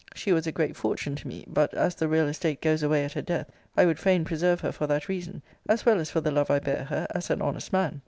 She was a great fortune to me: but, as the real estate goes away at her death, I would fain preserve her for that reason, as well as for the love I bear her as an honest man.